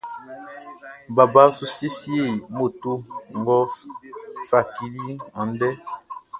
Baba su siesie moto ngʼɔ saciliʼn andɛ.